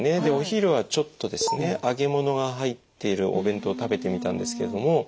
でお昼はちょっとですね揚げ物が入っているお弁当を食べてみたんですけれども。